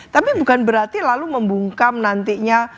tapi bukan berarti lalu membungkam nantinya